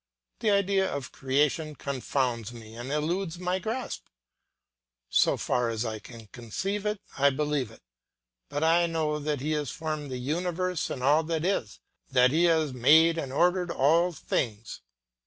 The idea of creation confounds me and eludes my grasp; so far as I can conceive of it I believe it; but I know that he has formed the universe and all that is, that he has made and ordered all things.